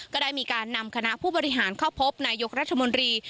ก็ได้มีการนำคณะผู้บริหารเข้าพบนายกรัฐมนตรี